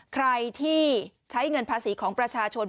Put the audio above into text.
ใครที่ใช้เงินภาษีของประชาชน